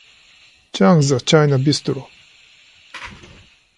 Chang's China Bistro.